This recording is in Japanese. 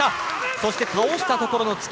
そして倒したところの突き。